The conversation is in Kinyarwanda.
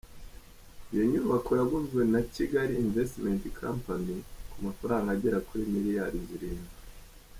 Iyo nyubako yaguzwe na Kigali Investment Company ku mafaranga agera kuri miliyari zirindwi.